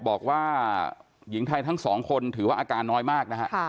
บอกว่าหญิงไทยทั้ง๒คนถือว่าอากานน้อยมาก